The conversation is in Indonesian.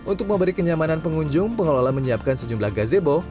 untuk memberi kenyamanan pengunjung pengelola menyiapkan sejumlah gazebo